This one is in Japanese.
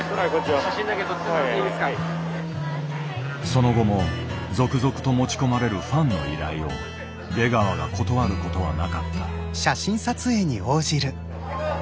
その後も続々と持ち込まれるファンの依頼を出川が断ることはなかった。